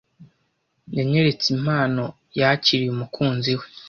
Yanyeretse impano yakiriye umukunzi we.